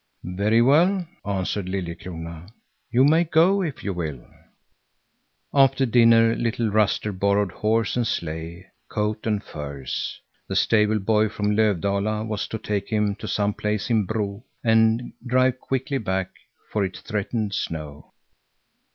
"Very well," answered Liljekrona, "you may go if you will." After dinner little Ruster borrowed horse and sleigh, coat and furs. The stable boy from Löfdala was to take him to some place in Bro and drive quickly back, for it threatened snow.